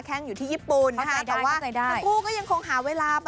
แค่งอยู่ที่ญี่ปุ่นนะคะแต่ว่าทั้งคู่ก็ยังคงหาเวลาไป